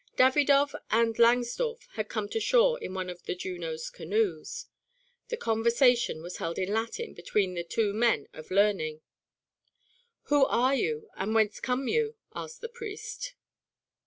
Davidov and Langsdorff had come to shore in one of the JUNO'S canoes. The conversation was held in Latin between the two men of learning. "Who are you and whence come you?" asked the priest.